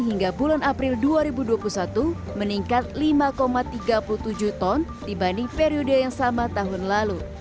hingga bulan april dua ribu dua puluh satu meningkat lima tiga puluh tujuh ton dibanding periode yang sama tahun lalu